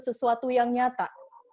sesuatu yang nyata